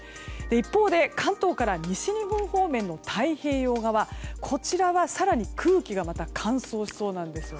一方で関東から西日本方面の太平洋側は更に空気が乾燥しそうなんです。